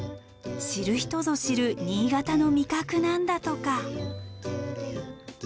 知る人ぞ知る新潟の味覚なんだとか。